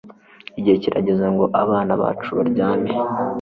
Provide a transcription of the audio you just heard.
Igihe kirageze ngo abana bacu baryame